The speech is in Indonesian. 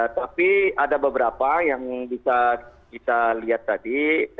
tapi ada beberapa yang bisa kita lihat tadi